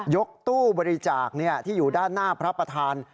กตู้บริจาคที่อยู่ด้านหน้าพระประธาน